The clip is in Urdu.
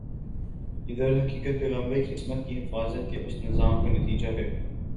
یہ درحقیقت پیغمبر کی عصمت کی حفاظت کے اس نظام کا نتیجہ ہے